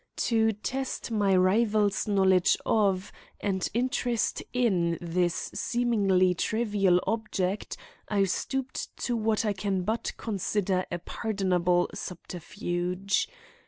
To test my rival's knowledge of and interest in this seemingly trivial object, I stooped to what I can but consider a pardonable subterfuge.